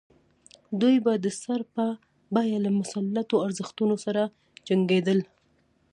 دوی به د سر په بیه له مسلطو ارزښتونو سره جنګېدل.